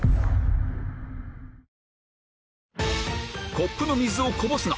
コップの水をこぼすな！